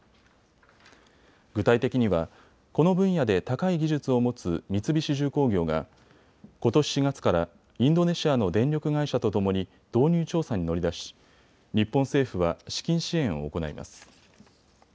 具体的にはこの分野で高い技術を持つ三菱重工業がことし４月からインドネシアの電力会社とともに導入調査に乗り出し日本政府は資金支援を行います。